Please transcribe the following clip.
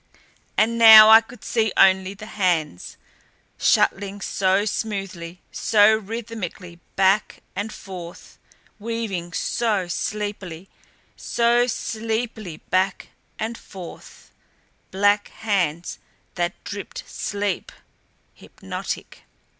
And now I could see only the hands, shuttling so smoothly, so rhythmically back and forth weaving so sleepily, so sleepily back and forth black hands that dripped sleep hypnotic.